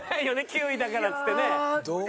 ９位だからっつってね。